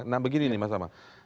nah begini nih mas tama